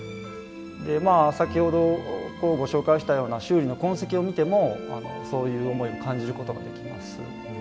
先ほどご紹介したような修理の痕跡を見てもそういう思いを感じることができます。